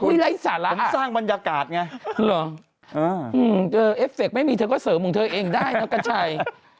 คือสร้างบรรยากาศไง